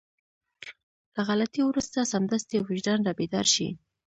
له غلطي وروسته سمدستي وجدان رابيدار شي.